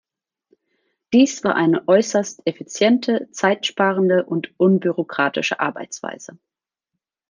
Dies war eine äußerst effiziente, zeitsparende und unbürokratische Arbeitsweise.